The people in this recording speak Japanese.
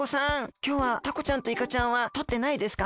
きょうはタコちゃんとイカちゃんはとってないですか？